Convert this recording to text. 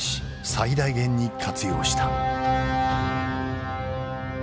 最大限に活用した。